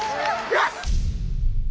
よし！